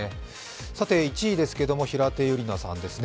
さて１位ですけれども、平手友梨奈さんですね。